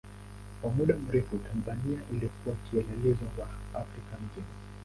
Kwa muda mrefu Tanzania ilikuwa kielelezo kwa Afrika nzima.